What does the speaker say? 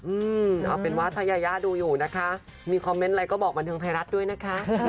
อืมเอาเป็นว่าถ้ายายาดูอยู่นะคะมีคอมเมนต์อะไรก็บอกบันเทิงไทยรัฐด้วยนะคะ